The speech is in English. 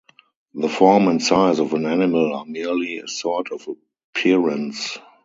The form and size of an animal are merely a sort of appearance.